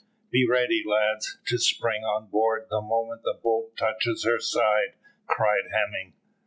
"Be ready, lads, to spring on board the moment the boat touches her side," cried Hemming.